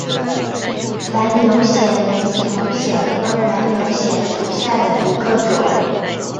反扭藓为丛藓科反扭藓属下的一个种。